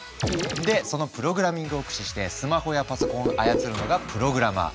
でそのプログラミングを駆使してスマホやパソコンを操るのがプログラマー。